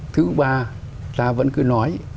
thứ ba ta vẫn cứ nói bốn